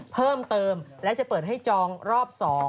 เพิ่มเติมและจะเปิดให้จองรอบ๒